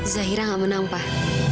zahira gak menang pak